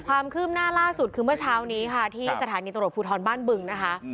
ความคืบหน้าล่าสุดคือเมื่อเช้านี้ค่ะที่สถานีตำรวจภูทรบ้านบึงนะคะ